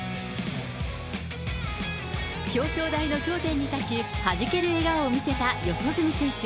表彰台の頂点に立ち、はじける笑顔を見せた四十住選手。